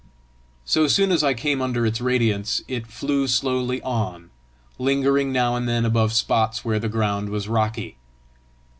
So soon as I came under its radiance, it flew slowly on, lingering now and then above spots where the ground was rocky.